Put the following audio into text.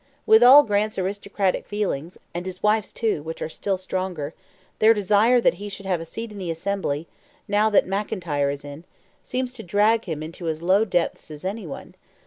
With all Grant's aristocratic feelings, and his wife's too, which are still stronger, their desire that he should have a seat in the Assembly, now that McIntyre is in, seems to drag him into as low depths as any one.